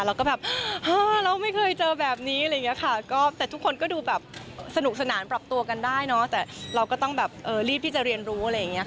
เราก็แบบเราไม่เคยเจอแบบนี้แต่ทุกคนก็ดูสนุกสนานปรับตัวกันได้แต่เราก็ต้องรีบที่จะเรียนรู้